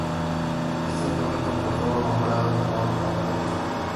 Este es el único trofeo nombrado en honor a un político.